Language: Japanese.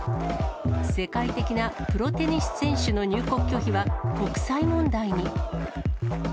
世界的なプロテニス選手の入国拒否は、国際問題に。